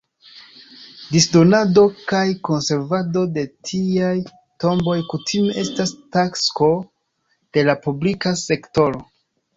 Disdonado kaj konservado de tiaj tomboj kutime estas tasko de la publika sektoro.